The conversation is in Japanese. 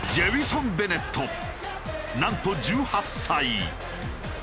なんと１８歳！